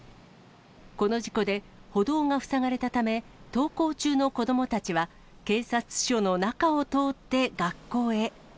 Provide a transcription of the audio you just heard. この事故で、歩道が塞がれたため、登校中の子どもたちは警察署の中を通って学校へ。